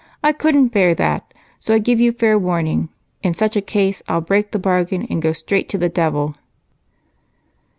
I couldn't bear that, so I give you fair warning, in such a case I'll break the bargain, and go straight to the devil."